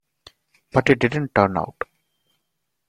But it didn't turn out.